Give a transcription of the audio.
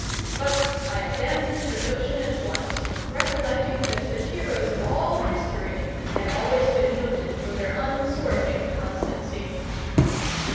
But I abandoned the notion at once, recollecting that the heroes of all history had always been noted for their unswerving constancy.